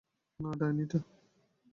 না, ডাইনি টা।